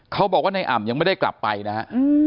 เขาบอกว่าในอ่ำยังไม่ได้กลับไปนะฮะ